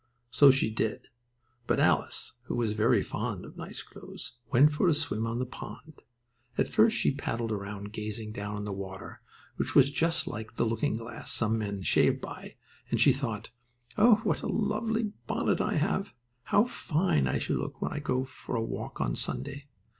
So she did, but Alice, who was very fond of nice clothes, went for a swim on the pond. At first she paddled around, gazing down in the water, which was just like the looking glass some men shave by, and she thought: "Oh, what a lovely bonnet I have! How fine I shall look when I go for a walk on Sunday!"